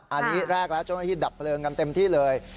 อันนี้แรกแล้วเจ้าหน้าที่ดับเพลิงกันเต็มที่เลย